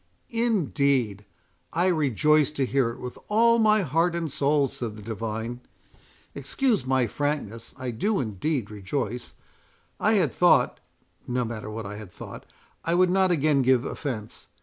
"Indeed! I rejoice to hear it with all my heart and soul," said the divine. "Excuse my frankness—I do indeed rejoice; I had thought—no matter what I had thought; I would not again give offence.